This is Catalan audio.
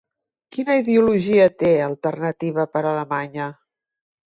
Quina ideologia té Alternativa per Alemanya?